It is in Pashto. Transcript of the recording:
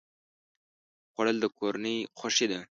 خوړل د کورنۍ خوښي ده